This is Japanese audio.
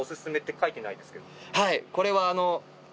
はいこれはあの。